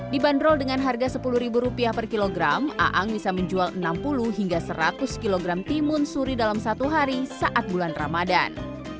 dibanderol dengan harga sepuluh rupiah per kilogram aang bisa menjual enam puluh hingga seratus kg timun suri dalam satu hari saat bulan ramadan